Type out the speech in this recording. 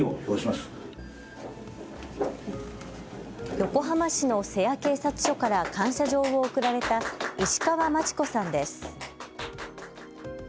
横浜市の瀬谷警察署から感謝状を贈られた石川満千子さんです。